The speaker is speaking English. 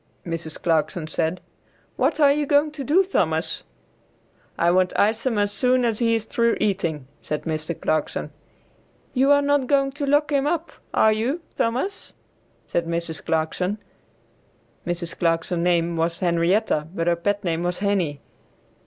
Mrs. Clarkson said, "What are you going to do, Thomas?" "I want Isom as soon as he is through eating," said Mr. Clarkson. "You are not going to lock him up, are you Thomas?" said Mrs. Clarkson. Mrs. Clarkson's name was Henrietta, but her pet name was Henie.